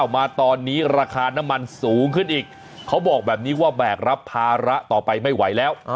มาตอนนี้ราคาน้ำมันสูงขึ้นอีกเขาบอกแบบนี้ว่าแบกรับภาระต่อไปไม่ไหวแล้ว